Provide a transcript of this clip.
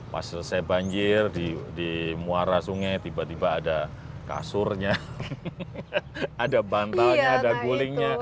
pas selesai banjir di muara sungai tiba tiba ada kasurnya ada bantalnya ada gulingnya